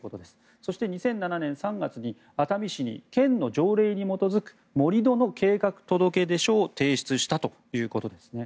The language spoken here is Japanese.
そして、２００７年３月に熱海市に県の条例に基づく盛り土の計画届出書を提出したということです。